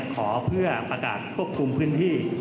ขอเพื่อประกาศควบคุมพื้นที่